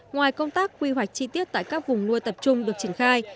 ngoài công tác quy hoạch chi tiết tại các vùng nuôi tập trung được triển khai